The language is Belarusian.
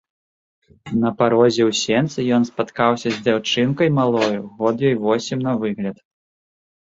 На парозе ў сенцы ён спаткаўся з дзяўчынкай малою, год ёй восем на выгляд.